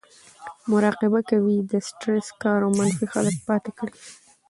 مراقبه کوي , د سټرېس کار او منفي خلک پاتې کړي